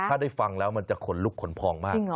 ถ้าได้ฟังแล้วมันจะขนลุกขนพองมาก